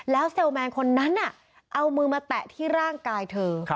เซลลแมนคนนั้นเอามือมาแตะที่ร่างกายเธอ